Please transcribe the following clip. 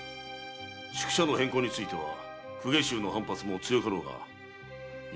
宿舎の変更については公家衆の反発も強かろうがよろしく頼むぞ。